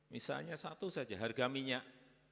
misalnya satu saja harga minyak